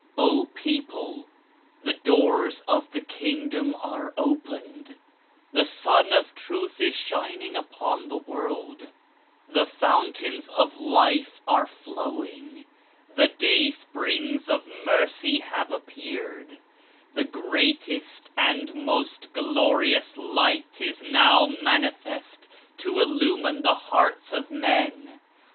"O People! The doors of the Kingdom are opened; the Sun of Truth is shining upon the world; the Fountains of Life are flowing; the Day springs of Mercy have appeared; the Greatest and Most Glorious Light Is now manifest to illumine the hearts of men!